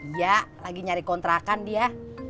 dia lagi nyari kontrakan dia